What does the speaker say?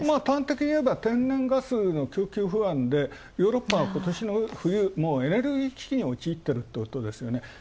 端的に言えば天然ガスの供給不安でヨーロッパが今年の冬、エネルギー危機に陥ってるということですよね。